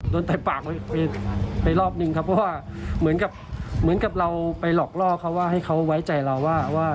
ใส่ปากไปไปรอบนึงครับเพราะว่าเหมือนกับเหมือนกับเราไปหลอกล่อเขาว่าให้เขาไว้ใจเราว่า